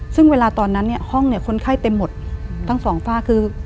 ซึ่งเวลาตอนนั้นเนี่ยห้องเนี่ยคนไข้เต็มหมดทั้งสองฝ้าคือ